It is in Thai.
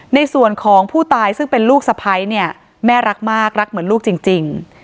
ในส่วนของผู้ตายซึ่งเป็นลูกสะพ้ายเนี่ยแม่รักมากรักเหมือนลูกจริง